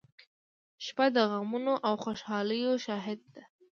• شپه د غمونو او خوشالیو شاهد ده.